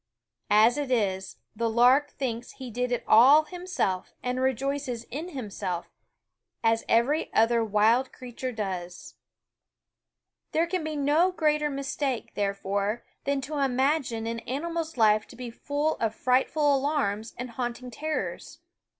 As it is, the lark thinks he did it all himself and rejoices in himself, as every other wild creature does. SCHOOL Of 2O On /tie Way TV *"/ m wol There can be no greater mistake, there fore, than to imagine an animal's life to be full of frightful alarms and haunting terrors.